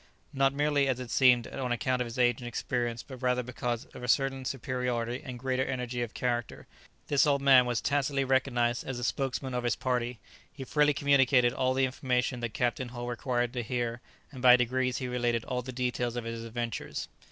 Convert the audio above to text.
'" Not merely, as it seemed, on account of his age and experience, but rather because of a certain superiority and greater energy of character, this old man was tacitly recognized as the spokesman of his party; he freely communicated all the information that Captain Hull required to hear, and by degrees he related all the details of his adventures.